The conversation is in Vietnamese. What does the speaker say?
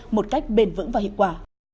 một cách bền vững và hiệu quả